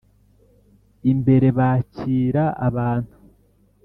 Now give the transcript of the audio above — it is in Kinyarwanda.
imbere bakira abantu.